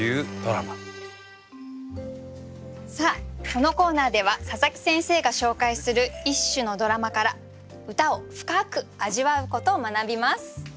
このコーナーでは佐佐木先生が紹介する一首のドラマから歌を深く味わうことを学びます。